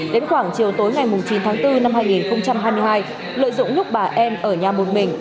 đến khoảng chiều tối ngày chín tháng bốn năm hai nghìn hai mươi hai lợi dụng lúc bà em ở nhà một mình